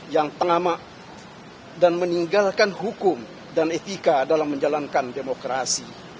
yang tengah mak dan meninggalkan hukum dan etika dalam menjalankan demokrasi